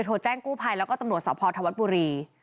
เลยโทรแจ้งกูภัยแล้วก็ตำรวจสาวพอร์ธวัดบุรี